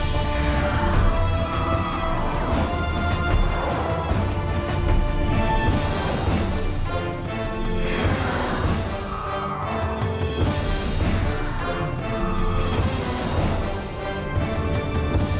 สวัสดีครับทุกคน